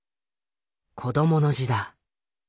子どもの字だ。